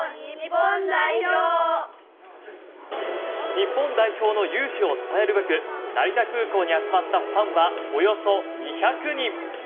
日本代表の雄姿をたたえるべく成田空港に集まったファンはおよそ２００人。